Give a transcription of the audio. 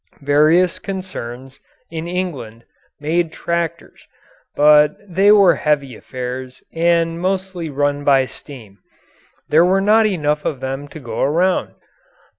Various concerns in England made tractors, but they were heavy affairs and mostly run by steam. There were not enough of them to go around.